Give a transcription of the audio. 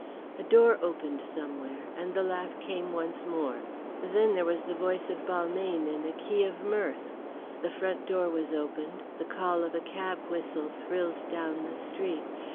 A door opened somewhere, and the laugh came once more. Then there was the voice of Balmayne in a key of mirth. The front door was opened, the call of a cab whistle thrilled down the street.